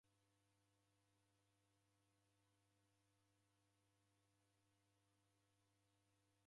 W'ana w'a koshi yapo w'afwa w'ose